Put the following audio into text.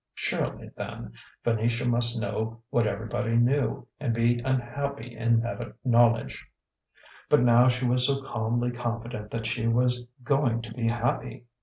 Surely, then, Venetia must know what everybody knew, and be unhappy in that knowledge. But now she was so calmly confident that she was "going to be happy"!